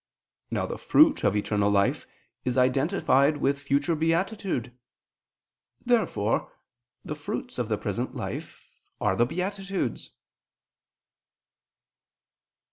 Now the fruit of eternal life is identified with future beatitude. Therefore the fruits of the present life are the beatitudes.